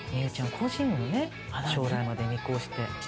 個人の将来まで見越して。